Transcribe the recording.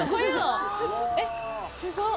すごっ！